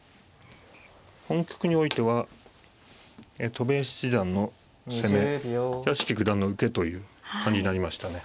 本局においては戸辺七段の攻め屋敷九段の受けという感じになりましたね。